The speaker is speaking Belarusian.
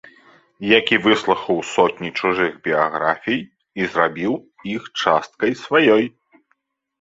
Які выслухаў сотні чужых біяграфій і зрабіў іх часткай сваёй.